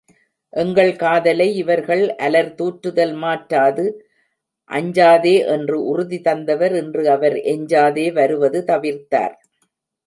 எங்கள் காதலை இவர்கள் அலர் தூற்றுதல் மாற்றாது. அஞ்சாதே என்று உறுதிதந்தவர் இன்று அவர் எஞ்சாதே வருவது தவிர்த்தார்.